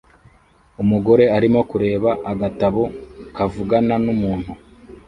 Umugore arimo kureba agatabo kavugana numuntu